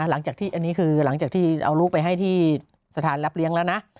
หลังจากที่อันนี้คือหลังจากที่เอาลูกไปให้ที่สถานรับเลี้ยงแล้วนะ